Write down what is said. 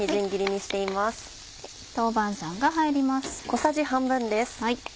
豆板醤が入ります。